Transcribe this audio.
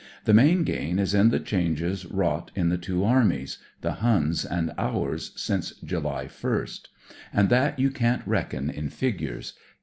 The main gain is in the changes wrought in the two armies— the Hun*s and ours— since July 1st. And that you can't reckon in figures.